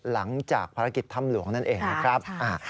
หลังจากภารกิจถ้ำหลวงนั่นเองนะครับ